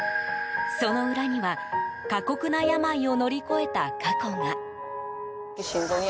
その裏には過酷な病を乗り越えた過去が。